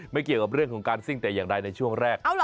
เกี่ยวกับเรื่องของการซิ่งแต่อย่างใดในช่วงแรก